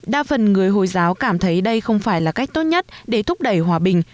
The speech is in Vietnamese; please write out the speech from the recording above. đa phần người hồi giáo cảm thấy đây không phải là cách tốt nhất để thúc đẩy hòa bình